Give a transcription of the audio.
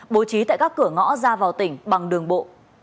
bố trí tại các cửa ngõ ra vào tỉnh bằng đường bộ